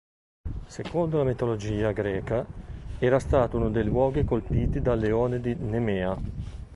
Secondo la mitologia greca, era stato uno dei luoghi colpiti dal leone di Nemea.